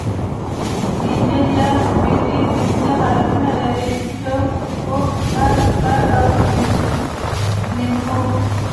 بیجل یا بډۍ پنځه حالتونه لري؛ چوک، پوک، اس، خر او نیمپو.